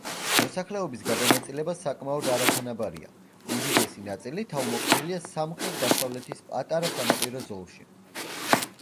მოსახლეობის გადანაწილება საკმაოდ არათანაბარია: უდიდესი ნაწილი თავმოყრილია სამხრეთ-დასავლეთის პატარა სანაპირო ზოლში.